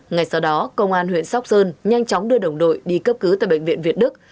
ngay sau đó công an huyện sóc sơn nhanh chóng đưa đồng đội đi cấp cứu tại bệnh viện việt đức